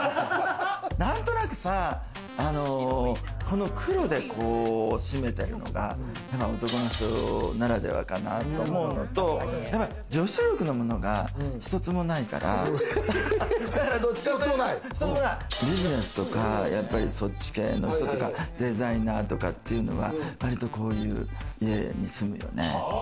何となくさ、この黒で締めてるのが男の人ならではかなと思うのと、女子力のものが一つもないからビジネスとかやっぱりそっち系の人とか、デザイナーとかっていうのは、割とこういう家に住むよね。